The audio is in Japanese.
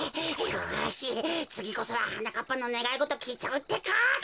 よしつぎこそははなかっぱのねがいごときいちゃうってか。